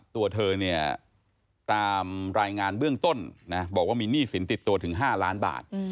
ตัวเธอเนี่ยตามรายงานเบื้องต้นนะบอกว่ามีหนี้สินติดตัวถึง๕ล้านบาท